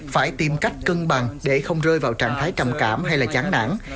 phải tìm cách cân bằng để không rơi vào trạng thái trầm cảm hay là chán nản